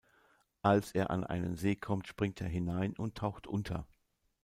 Als er an einen See kommt, springt er hinein und taucht unter.